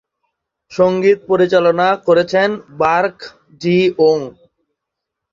সঙ্গীত পরিচালনা করেছেন বার্ক জি-ওঙ।